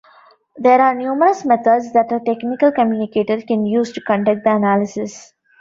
There are numerous methods that a technical communicator can use to conduct the analysis.